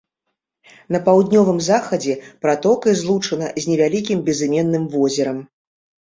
На паўднёвым захадзе пратокай злучана з невялікім безыменным возерам.